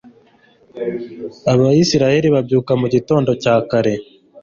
abayisraheli babyuka mu gitondo cya kare